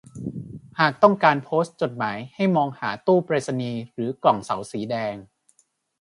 หากต้องการโพสต์จดหมายให้มองหาตู้ไปรษณีย์หรือกล่องเสาสีแดง